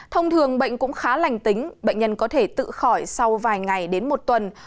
thông thường bệnh cũng khá lành tính bệnh nhân có thể tự khỏi sau vài ngày đến một tuần